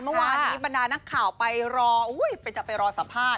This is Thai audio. เมื่อวานนี้บรรดานักข่าวไปรอไปจะไปรอสัมภาษณ